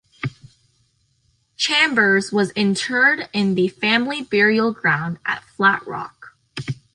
Chambers was interred in the family burial ground at Flat Rock.